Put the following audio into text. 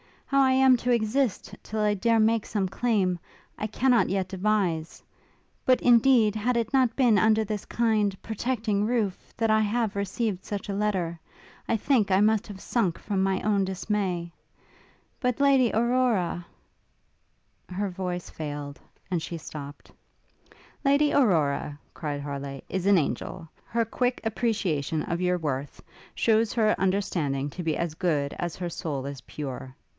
How I am to exist till I dare make some claim, I cannot yet devise: but, indeed, had it not been under this kind, protecting roof, that I have received such a letter I think I must have sunk from my own dismay: but Lady Aurora ' Her voice failed, and she stopt. 'Lady Aurora,' cried Harleigh, 'is an angel. Her quick appreciation of your worth, shews her understanding to be as good as her soul is pure.